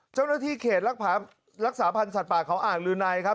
เจ้าหน้าที่เขตรักษาพันธ์สัตว์ป่าเขาอ่างลือในครับ